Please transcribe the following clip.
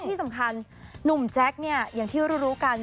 พี่สำคัญนมจ๊ะอย่างที่รู้กัน